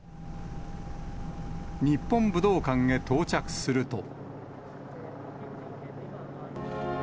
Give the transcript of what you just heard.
日本武道館へ到着すると。